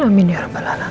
amin ya rabbal alamin